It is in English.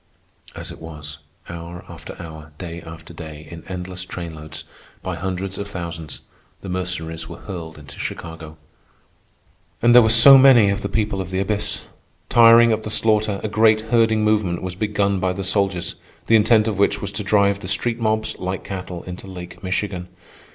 As it was, hour after hour, day after day, in endless train loads, by hundreds of thousands, the Mercenaries were hurled into Chicago. And there were so many of the people of the abyss! Tiring of the slaughter, a great herding movement was begun by the soldiers, the intent of which was to drive the street mobs, like cattle, into Lake Michigan.